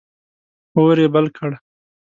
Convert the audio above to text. اور یې بل کړ.